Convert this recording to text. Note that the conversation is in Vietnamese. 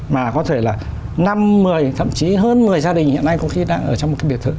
mà có thể là năm mười thậm chí hơn mười gia đình hiện nay có khi đang ở trong một cái biệt thự